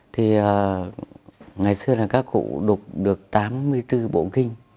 thì ngày xưa là các cụ đục được tám mươi bốn bộ kinh